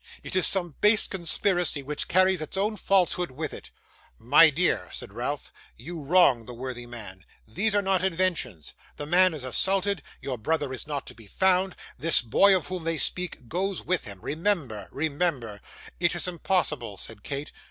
It is some base conspiracy, which carries its own falsehood with it.' 'My dear,' said Ralph, 'you wrong the worthy man. These are not inventions. The man is assaulted, your brother is not to be found; this boy, of whom they speak, goes with him remember, remember.' 'It is impossible,' said Kate.